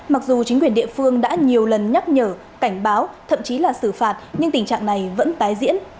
mặc dù chính quyền địa phương đã nhiều lần nhắc nhở cảnh báo thậm chí là xử phạt nhưng tình trạng này vẫn tái diễn